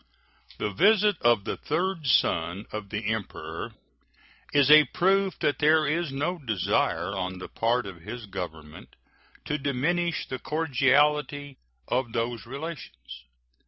The visit of the third son of the Emperor is a proof that there is no desire on the part of his Government to diminish the cordiality of those relations.